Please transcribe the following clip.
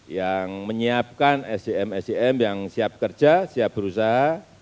yang menyiapkan sdm sdm yang siap kerja siap berusaha